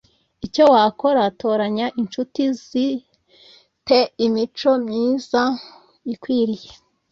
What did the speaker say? icyo wakora toranya incuti zi te imico myiza ikwiriye